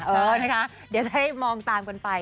เดี๋ยวจะให้มองตามกันไป